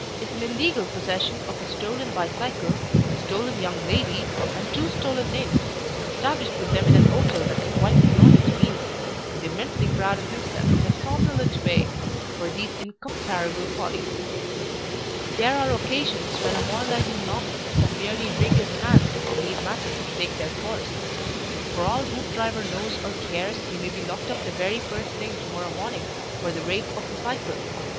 is in illegal possession of a stolen bicycle, a stolen young lady, and two stolen names, established with them in an hotel that is quite beyond his means, and immensely proud of himself in a somnolent way for these incomparable follies. There are occasions when a moralising novelist can merely wring his hands and leave matters to take their course. For all Hoopdriver knows or cares he may be locked up the very first thing to morrow morning for the rape of the cycle.